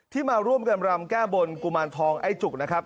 มาร่วมกันรำแก้บนกุมารทองไอ้จุกนะครับ